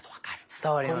伝わります。